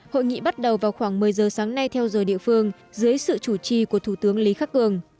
hội nghị bắt đầu vào khoảng một mươi giờ sáng nay theo giờ địa phương dưới sự chủ trì của thủ tướng lý khắc cường